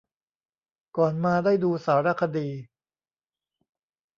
ก่อนมาได้ดูสารคดี